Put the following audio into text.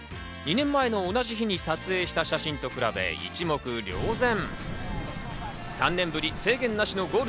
２年前の同じ日に撮影した写真と比べて一目瞭然。